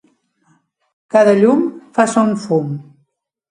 Cada llum fa son fum.